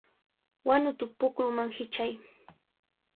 ¡Wanuta pukruman hichay!